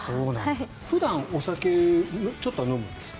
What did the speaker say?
普段、お酒ちょっとは飲むんですか？